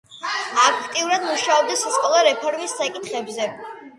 აქტიურად მუშაობდა სასკოლო რეფორმის საკითხებზე.